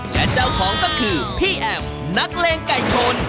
และเจ้าของก็คือพี่แอมนักเลงไก่ชน